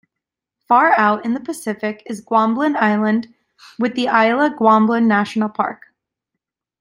Far out in the Pacific is Guamblin Island with the Isla Guamblin National Park.